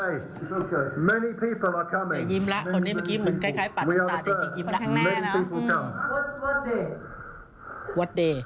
ยิ้มแล้วคนนี้เหมือนใกล้ปัดตาแต่จริงยิ้มแล้ว